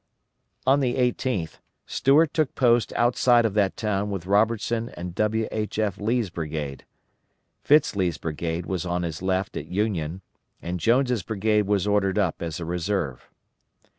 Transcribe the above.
On the 18th, Stuart took post outside of that town with Robertson and W. H. F. Lee's brigade. Fitz Lee's brigade was on his left at Union, and Jones' brigade was ordered up as a reserve.